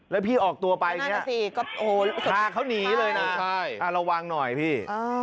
แล้วพี่ออกตัวไปอย่างนี้พาเขาหนีเลยนะระวังหน่อยพี่